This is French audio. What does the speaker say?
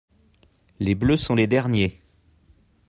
les bleus sont les derniers.